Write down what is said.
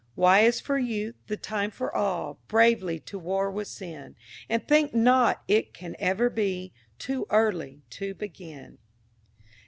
Y is for Youth—the time for all Bravely to war with sin; And think not it can ever be Too early to begin.